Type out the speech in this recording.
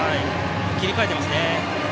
切り替えていますね。